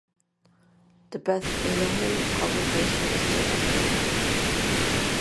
The Beth Elohim congregation is still operating.